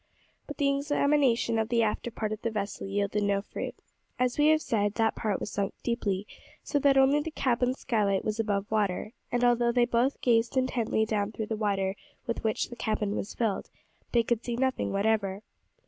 But the examination of the after part of the vessel yielded no fruit. As we have said, that part was sunk deeply, so that only the cabin skylight was above water, and, although they both gazed intently down through the water with which the cabin was filled, they could see nothing whatever.